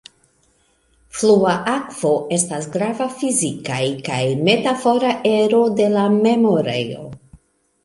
Flua akvo estas grava fizikaj kaj metafora ero de la memorejo.